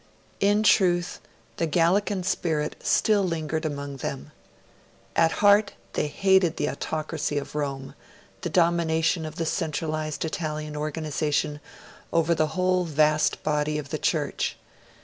In truth, the Gallican spirit still lingered among them. At heart, they hated the autocracy of Rome the domination of the centralised Italian organisation over the whole vast body of the Church.